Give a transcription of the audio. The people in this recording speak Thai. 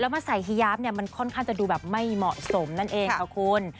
แล้วมาใส่ฮิยาปมันค่อนข้างจะดูไม่เหมาะสมนั่นเอง